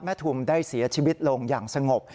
ทุมได้เสียชีวิตลงอย่างสงบ